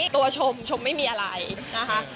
ตัวชมชมไม่มีอะไรนะคะ